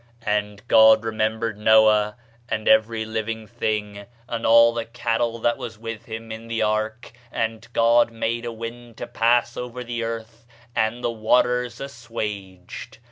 "And God remembered Noah, and every living thing, and all the cattle that was with him in the ark: and God made a wind to pass over the earth, and the waters assuaged.